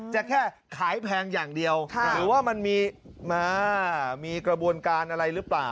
จะแค่ขายแพงอย่างเดียวหรือว่ามันมีกระบวนการอะไรหรือเปล่า